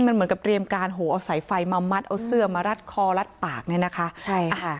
เหมือนกับเรียมการเอาสายไฟมามัดแดงมารัดคอรัดปากเนี่ยนะคะ